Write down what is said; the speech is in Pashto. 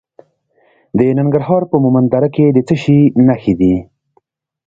د ننګرهار په مومند دره کې د څه شي نښې دي؟